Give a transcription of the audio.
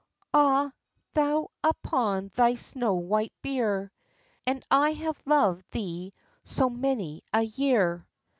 "Ah, thou upon thy snow white bier! And I have loved thee so many a year."